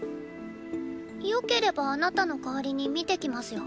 よければあなたの代わりに見てきますよ。